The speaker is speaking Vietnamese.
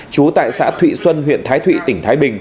trú tại xã thụy xuân huyện thái thụy tỉnh thái bình